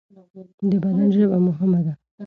د بدن ژبه مهمه ده.